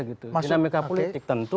dinamika politik tentu